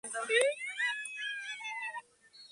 No obstante, es un buen prototipo de la música criolla de allí.